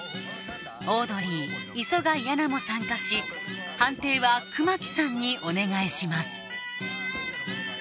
オードリー磯貝アナも参加し判定は熊木さんにお願いします